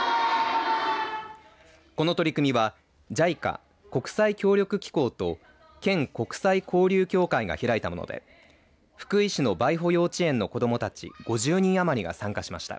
この取り組みはＪＩＣＡ、国際協力機構と県国際交流協会が開いたもので福井市の梅圃幼稚園の子どもたち５０人余りが参加しました。